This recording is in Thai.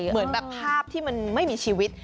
เหมือนแบบภาพที่มันไม่มีชีวิต